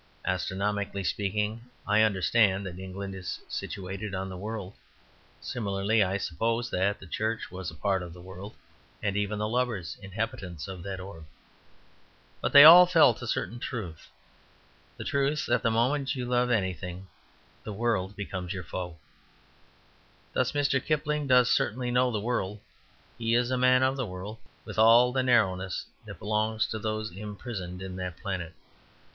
Astronomically speaking, I understand that England is situated on the world; similarly, I suppose that the Church was a part of the world, and even the lovers inhabitants of that orb. But they all felt a certain truth the truth that the moment you love anything the world becomes your foe. Thus Mr. Kipling does certainly know the world; he is a man of the world, with all the narrowness that belongs to those imprisoned in that planet.